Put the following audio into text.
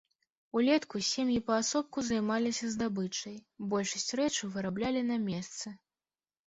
Улетку сем'і паасобку займаліся здабычай, большасць рэчаў выраблялі на месцы.